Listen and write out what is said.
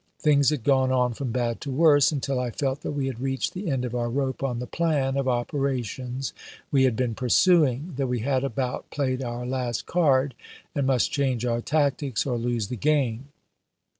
Things had gone on from bad to worse, until I felt that we had reached the end of our rope on the plan of operations we had been pursuing ; that we had about played our last card, and must change our tactics, or lose the game.